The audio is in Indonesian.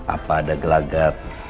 apa ada gelagat